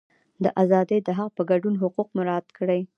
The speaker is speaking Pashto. د ازادۍ د حق په ګډون حقوق مراعات کړي.